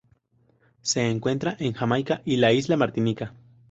Se encuentra en Jamaica y la isla Martinica.